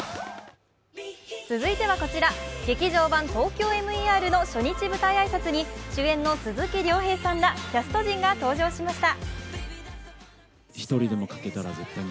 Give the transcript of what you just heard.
続いてはこちら、「劇場版ＴＯＫＹＯＭＥＲ」の初日舞台挨拶に主演の鈴木亮平さんらキャスト陣が登場しました。